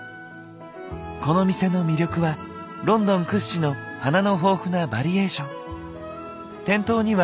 この店の魅力はロンドン屈指の花の豊富なバリエーション。